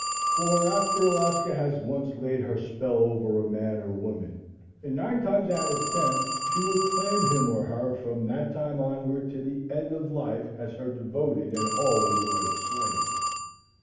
For, after Alaska has once laid her spell over a man or woman, in nine times out of ten, she will claim him or her from that time onward to the end of life as her devoted and always loyal slave.